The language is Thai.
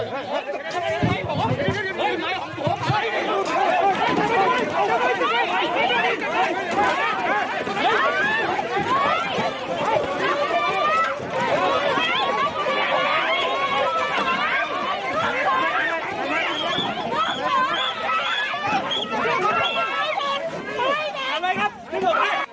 ล้อไหมล้อไหมล้อไหมล้อไหมล้อไหม